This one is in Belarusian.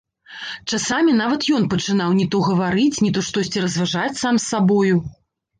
Часамі нават ён пачынаў ні то гаварыць, ні то штосьці разважаць сам з сабою.